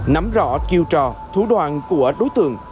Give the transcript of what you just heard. nắm rõ kiêu trò thủ đoạn của đối tượng